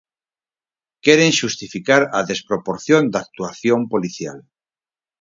Queren xustificar a desproporción da actuación policial.